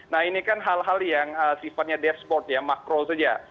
nah ini kan hal hal yang sifatnya dashboard ya makro saja